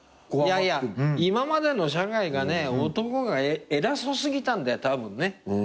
いやいや今までの社会がね男が偉そう過ぎたんだよ多分ね。